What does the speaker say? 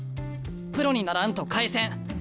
プロにならんと返せん。